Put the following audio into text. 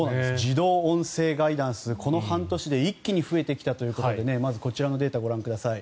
自動音声ガイダンス、この半年で一気に増えてきたということでまずこちらのデータをご覧ください。